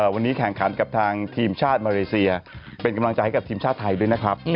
วันนี้แข่งขันกับทางทีมชาติมาเลเซียเป็นกำลังใจให้กับทีมชาติไทยด้วยนะครับ